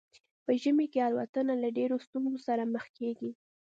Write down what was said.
په ژمي کې الوتنه له ډیرو ستونزو سره مخ کیږي